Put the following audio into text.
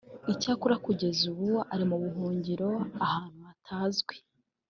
icyakora kugeza ubu ari mu buhungiro ahantu hatazwi